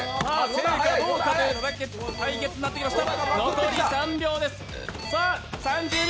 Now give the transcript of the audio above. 静か動かという対決になってきました。